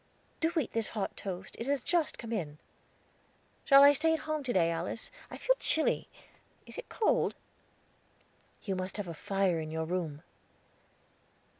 "Do eat this hot toast; it has just come in." "I shall stay at home to day, Alice, I feel chilly; is it cold?" "You must have a fire in your room."